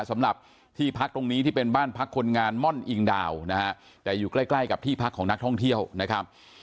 สำหรับที่พักตรงนี้ที่เป็นบ้านพักคนงานม่อนอิงดาวนะฮะแต่อยู่ใกล้ใกล้กับที่พักของนักท่องเที่ยวนะครับ